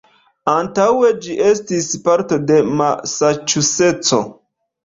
Antaŭe ĝi estis parto de Masaĉuseco.